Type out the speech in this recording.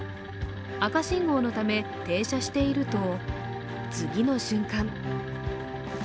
赤信号のため停車していると次の瞬間